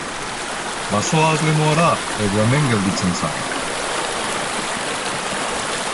Bazoaz Lemoara edo hemen gelditzen zara?